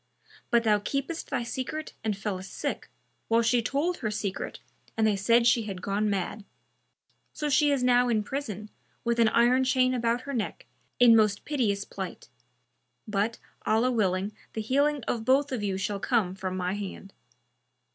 But thou keptest thy secret and fellest sick, while she told her secret and they said she had gone mad; so she is now in prison, with an iron chain about her neck, in most piteous plight; but, Allah willing, the healing of both of you shall come from my hand."